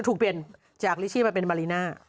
ถูกเปลี่ยนจากลิชี่มาเป็นมาริน่า